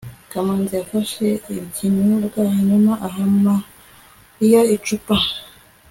kamanzi yafashe ikinyobwa hanyuma aha mariya icupa